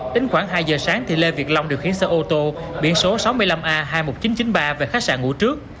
tính khoảng hai h sáng thì lê việt long được khiến sơ ô tô biển số sáu mươi năm a hai mươi một nghìn chín trăm chín mươi ba về khách sạn ngủ trước